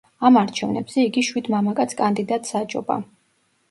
ამ არჩევნებზე, იგი შვიდ მამაკაც კანდიდატს აჯობა.